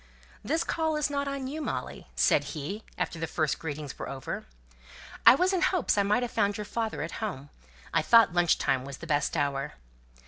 "This call is not on you, Molly," said he, after the first greetings were over. "I was in hopes I might have found your father at home; I thought lunch time was the best hour."